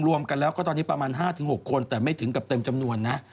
รวมกันแล้วก็ตอนนี้ประมาณ๕๖คนแต่ไม่ถึงกับเต็มจำนวนนะ